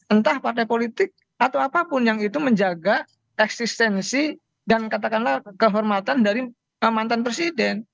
entah partai politik atau apapun yang itu menjaga eksistensi dan katakanlah kehormatan dari mantan presiden